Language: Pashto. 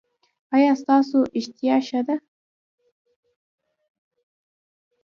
ایا ستاسو اشتها ښه نه ده؟